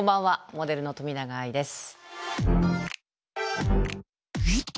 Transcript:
モデルの冨永愛です。